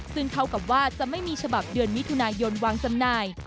ซึ่งเท่ากับว่าจะไม่มีฉบับเดือนมิถุนายนวางจำหน่าย